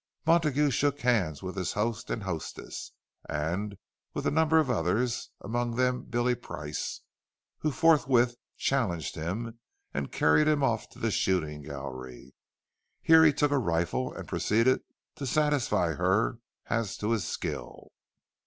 Montague shook hands with his host and hostess, and with a number of others; among them Billy Price who forthwith challenged him, and carried him off to the shooting gallery. Here he took a rifle, and proceeded to satisfy her as to his skill.